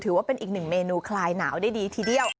ถือว่าเป็นอีกหนึ่งเมนูคลายหนาวได้ดีทีเดียว